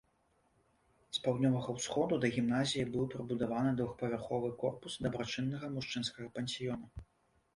З паўднёвага ўсходу да гімназіі быў прыбудаваны двухпавярховы корпус дабрачыннага мужчынскага пансіёна.